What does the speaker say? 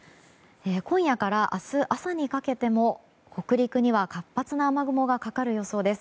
今夜から明日朝にかけても北陸には活発な雨雲がかかる予想です。